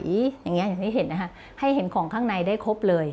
อย่างนี้เห็นให้เห็นของข้างในได้ครบเลย